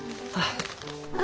あ。